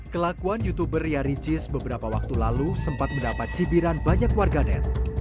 kelakuan youtuber ria ricis beberapa waktu lalu sempat mendapat cibiran banyak warganet